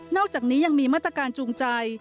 อกจากนี้ยังมีมาตรการจูงใจ